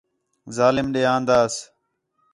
ظالم ݙے آنداس